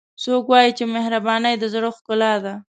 څوک وایي چې مهربانۍ د زړه ښکلا ده